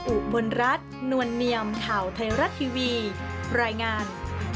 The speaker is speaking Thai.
อุบลรัฐนวลเนียมข่าวไทยรัฐทีวีรายงาน